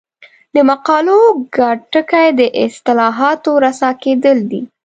د مقالو ګډ ټکی د اصطلاحاتو رسا کېدل دي.